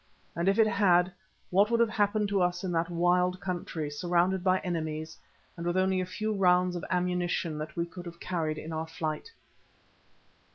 And if it had, what would have happened to us in that wild country surrounded by enemies and with only the few rounds of ammunition that we could have carried in our flight?